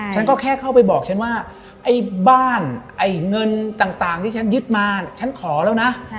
ฉันก็แค่เข้าไปบอกฉันว่าไอ้บ้านไอ้เงินต่างที่ฉันยึดมาฉันขอแล้วนะ